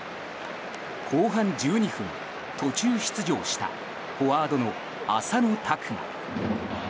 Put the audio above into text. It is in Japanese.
後半１２分、途中出場したフォワードの浅野拓磨。